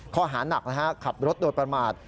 ข้อหานักขับรถโดยประมาท